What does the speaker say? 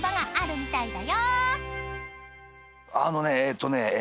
あのねえーっとねえ。